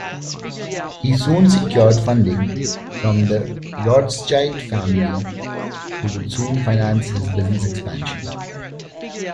He soon secured funding from the Rothschild family, who would finance his business expansion.